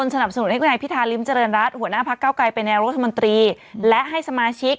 สนุกคุณพิทาใช่ไหม